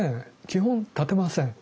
基本立てません。